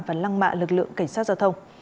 và lăng mạ lực lượng cảnh sát giao thông